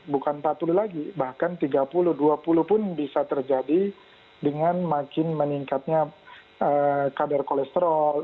bukan empat puluh lagi bahkan tiga puluh dua puluh pun bisa terjadi dengan makin meningkatnya kadar kolesterol